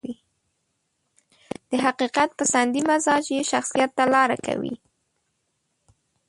د حقيقت پسندي مزاج يې شخصيت ته لاره کوي.